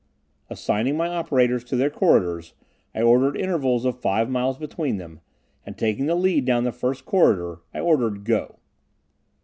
Assigning my operators to their corridors, I ordered intervals of five miles between them, and taking the lead down the first corridor, I ordered "go."